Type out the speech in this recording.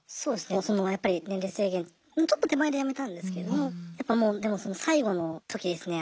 そのやっぱり年齢制限のちょっと手前でやめたんですけどもやっぱもうでもその最後の時ですね